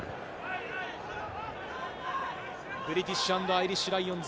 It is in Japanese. ブリティッシュ＆アイリッシュ・ライオンズ。